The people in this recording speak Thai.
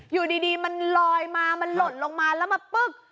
อยู่ดีมันลอยมามันหล่นลงมาแล้วมาปึ๊ก